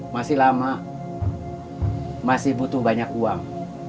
masih lama masih butuh banyak uang